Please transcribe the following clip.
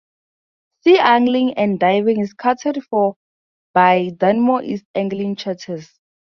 Sea angling and Diving is catered for by Dunmore East Angling Charters.